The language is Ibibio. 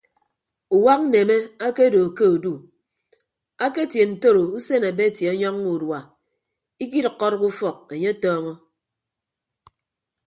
Uwak nneme akedo ke odu aketie ntoro usen abeti ọnyọññọ urua idʌkkọdʌk ufọk anye atọọñọ.